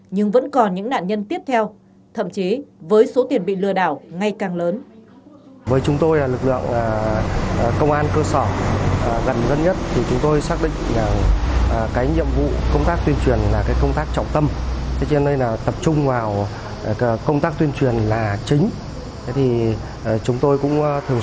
nhưng vẫn còn những nạn nhân tiếp theo thậm chí với số tiền bị lừa đảo ngay càng lớn